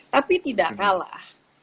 tapi tidak kalah